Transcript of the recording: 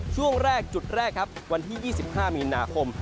ช่วงแรกจุดแรกครับวันที่๒๕มีนาคม